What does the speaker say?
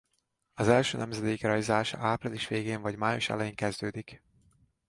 Az első nemzedék rajzása április végén vagy május elején kezdődik.